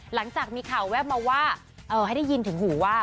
หลังจากมีข่าวแวบมาว่าให้ได้ยินถึงหูว่า